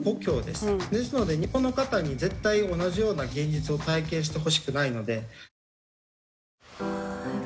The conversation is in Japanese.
ですので日本の方に絶対同じような現実を体験してほしくないので。